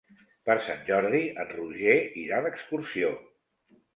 Per Sant Jordi en Roger irà d'excursió.